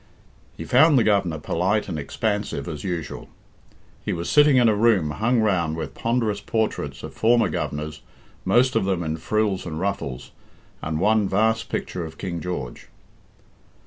He found the Governor polite and expansive as usual. He was sitting in a room hung round with ponderous portraits of former Governors, most of them in frills and ruffles, and one vast picture of King George.